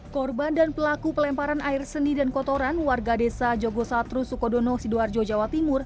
korban dan pelaku pelemparan air seni dan kotoran warga desa jogosatru sukodono sidoarjo jawa timur